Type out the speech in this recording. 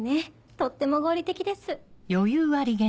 とっても合理的です。